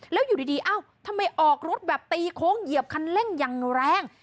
แล้วอยู่ดีเอ้าทำไมออกรถแบบตีโค้งเหยียบคันเร่งอย่างแรง